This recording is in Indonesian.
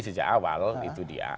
sejak awal itu dia